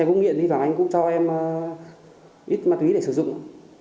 em cũng nghiện hy vọng anh cũng cho em ít ma túy để sử dụng ạ